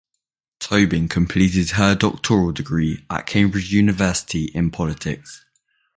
Tobin completed her doctoral degree at Cambridge University in politics.